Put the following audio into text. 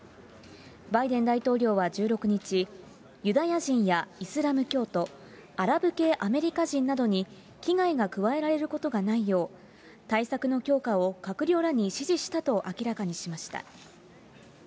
バイデン大統領は１６日、ユダヤ人やイスラム教徒、アラブ系アメリカ人などに危害が加えられることがないよう、対策の強化を閣僚らに指示したと明らかにしました。